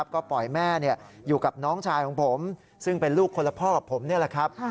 ก็ปล่อยแม่อยู่กับน้องชายของผมซึ่งเป็นลูกคนละพ่อกับผมนี่แหละครับ